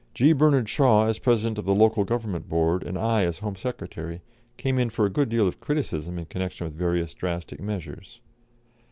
G. Bernard Shaw, as President of the Local Government Board, and I, as Home Secretary, came in for a good deal of criticism in connection with various drastic measures.